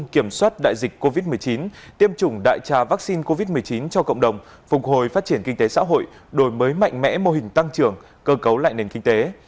bên cạnh đó hướng dẫn đồng đồng phục hồi phát triển kinh tế xã hội đổi mới mạnh mẽ mô hình tăng trưởng cơ cấu lại nền kinh tế